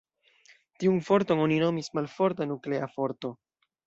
Tiun forton oni nomis malforta nuklea forto.